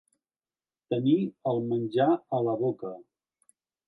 Tenir el menjar a la boca.